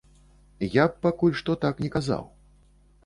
Я б пакуль што так не казаў.